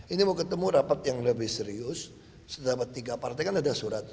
ini mau ketemu rapat yang lebih serius terdapat tiga partai kan ada surat